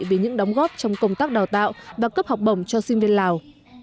về những đóng góp trong công tác đào tạo và cấp học bổng cho sinh viên lào